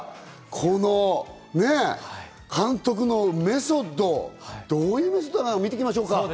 この監督のメソッド、どういうメソッドなのか、見ていきましょう。